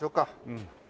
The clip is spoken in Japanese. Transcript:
うん。